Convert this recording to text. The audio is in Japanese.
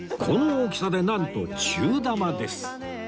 この大きさでなんと中玉です